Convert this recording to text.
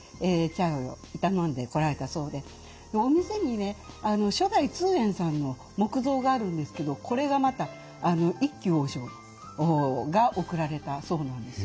お店にね初代通円さんの木像があるんですけどこれがまた一休和尚が贈られたそうなんです。